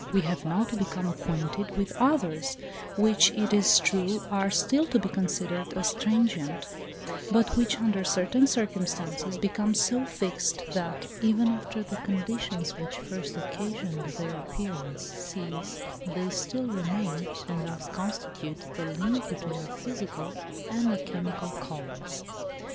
We have now to become acquainted with others, which it is true are still to be considered as transient, but which, under certain circumstances, become so fixed that, even after the conditions which first occasioned their appearance cease, they still remain, and thus constitute the link between the physical and the chemical colours.